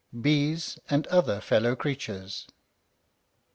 BEES AND OTHER FELLOW CREATURES.